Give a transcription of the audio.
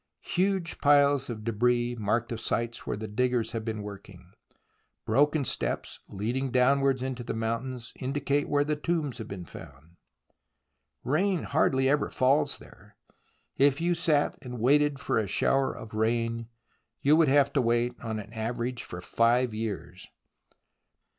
Huge piles of debris mark the sites where the diggers have been working ; broken steps leading down wards into the mountains indicate where tombs have been found. Rain hardly ever falls there. ... If you sat and waited for a shower of rain, you would have to wait on an average for five years